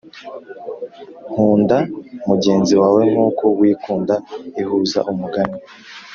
kunda mugenzi wawe nkuko wikunda ihuza umugani